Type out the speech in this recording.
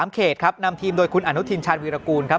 เขตครับนำทีมโดยคุณอนุทินชาญวีรกูลครับ